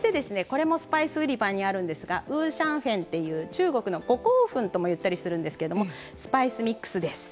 これもスパイス売り場にあるんですが五香粉っていう中国の「ごこうふん」とも言ったりするんですけどもスパイスミックスです。